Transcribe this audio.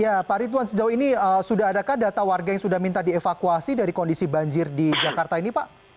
ya pak ridwan sejauh ini sudah adakah data warga yang sudah minta dievakuasi dari kondisi banjir di jakarta ini pak